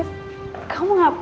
jauh lebih banyak